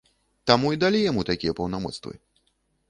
Таму і далі яму такія паўнамоцтвы.